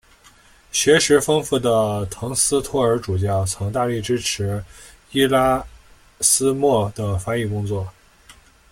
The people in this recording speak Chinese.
学识丰富的滕斯托尔主教曾大力支持伊拉斯谟的翻译工作。